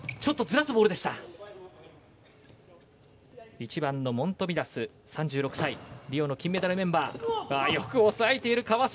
１番のモントビダス３６歳リオの金メダルメンバー。よく抑えている、川嶋。